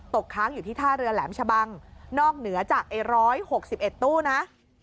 ค้างอยู่ที่ท่าเรือแหลมชะบังนอกเหนือจาก๑๖๑ตู้นะ